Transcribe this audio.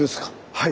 はい。